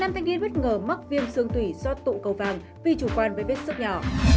năm thanh niên bất ngờ mắc viêm xương tủy do tụ cầu vàng vì chủ quan với vết sức nhỏ